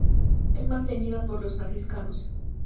Es mantenida por los franciscanos.